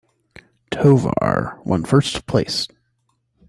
Tovar won first place.